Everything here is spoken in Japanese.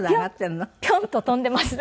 ピョンと跳んでいますね。